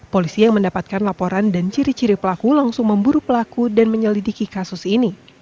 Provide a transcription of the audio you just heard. polisi yang mendapatkan laporan dan ciri ciri pelaku langsung memburu pelaku dan menyelidiki kasus ini